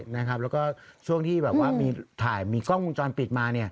แล้วก็ช่วงที่มีกล้องมุมจรปิดมา